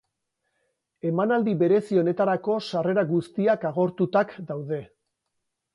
Emanaldi berezi honetarako sarrera guztiak agortutak daude.